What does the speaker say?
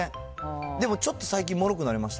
でも、ちょっと最近、もろくなりました。